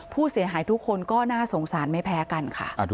ผู้เสียหายทุกคนก็น่าสงสารไม่แพ้กันค่ะ